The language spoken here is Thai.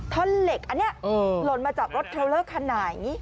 ท่อเหล็กอันเนี้ยเออหล่นมาจากรถแทรวเลอร์ขนาดอย่างงี้